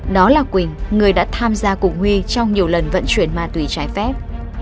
đó là quỳnh người đã tham gia cùng huy trong nhiều lần vận chuyển ma túy trái phép